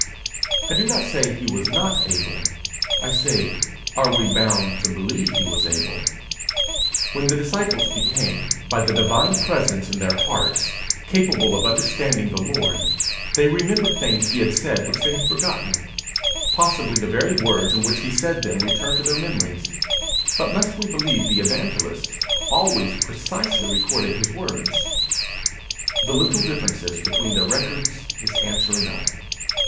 I do not say he was not able; I say Are we bound to believe he was able? When the disciples became, by the divine presence in their hearts, capable of understanding the Lord, they remembered things he had said which they had forgotten; possibly the very words in which he said them returned to their memories; but must we believe the evangelists always precisely recorded his words? The little differences between their records is answer enough.